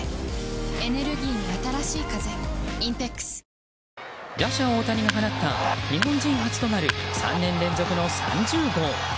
サントリー打者・大谷が放った日本人初となる３年連続の３０号。